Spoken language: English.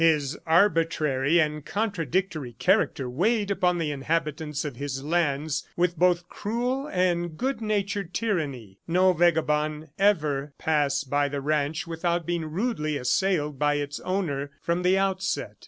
His arbitrary and contradictory character weighed upon the inhabitants of his lands with both cruel and good natured tyranny. No vagabond ever passed by the ranch without being rudely assailed by its owner from the outset.